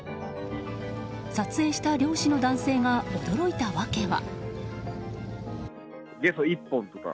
撮影した漁師の男性が驚いたわけは。